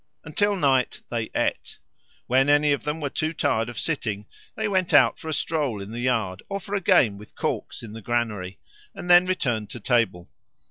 Until night they ate. When any of them were too tired of sitting, they went out for a stroll in the yard, or for a game with corks in the granary, and then returned to table.